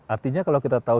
artinya kalau kita tahu